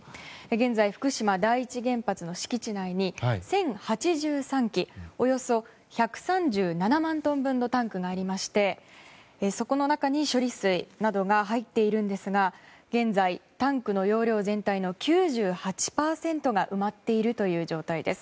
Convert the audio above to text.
現在福島第一原発の敷地内に１０８３基およそ１３７万トン分のタンクがありましてそこの中に処理水などが入っているんですが現在、タンクの容量全体の９８％が埋まっているという状態です。